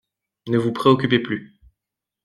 Ne vous préoccupez plus.